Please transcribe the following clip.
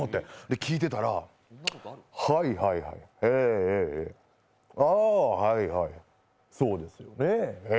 聞いてたら、はいはい、ええ、ええ。ああ、はいはい、そうですよね。